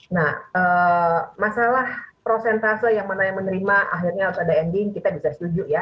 nah masalah prosentase yang mana yang menerima akhirnya harus ada ending kita bisa setuju ya